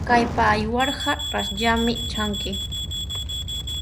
Kaypa aywarqa rasllami tranki.